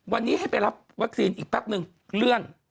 วันนี้ให้ไปรับวัคซีนอีกแป๊บนึงเลื่อน